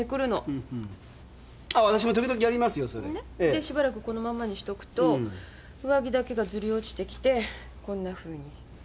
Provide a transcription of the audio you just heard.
でしばらくこのまんまにしとくと上着だけがずり落ちてきてこんなふうに。